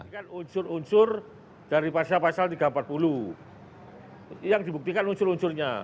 ini kan unsur unsur dari pasal pasal tiga ratus empat puluh yang dibuktikan unsur unsurnya